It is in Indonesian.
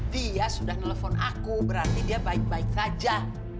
dia sudah nelfon aku berarti dia baik baik saja